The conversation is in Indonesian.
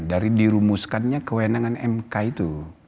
dari dirumuskannya kewenangan mk itu